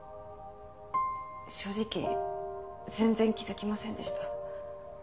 正直全然気づきませんでした。